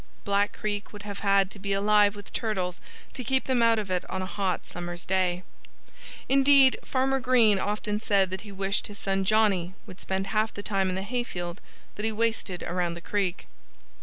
Black Creek would have had to be alive with turtles to keep them out of it on a hot summer's day. Indeed Farmer Green often said that he wished his son Johnnie would spend half the time in the hayfield that he wasted around the creek.